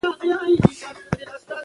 بیرغ یې له لاسه لوېدلی وو.